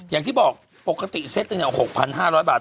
อย่างที่บอกปกติเซตหนึ่ง๖๕๐๐บาท